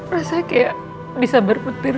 rasanya kayak bisa berputir